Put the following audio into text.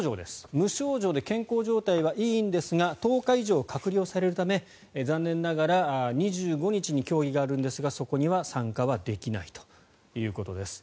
無症状で健康状態はいいんですが１０日以上隔離されるため残念ながら、２５日に競技があるんですが、そこには参加できないということです。